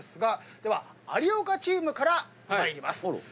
では有岡チームから参ります。